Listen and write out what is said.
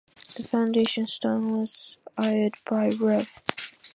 The foundation stone was laid by Rev.